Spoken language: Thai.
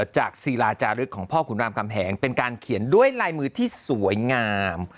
ศิลาจารึกของพ่อขุนรามคำแหงเป็นการเขียนด้วยลายมือที่สวยงาม